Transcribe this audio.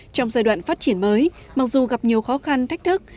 trong giai đoạn phát triển mới mặc dù gặp nhiều khó khăn thách thức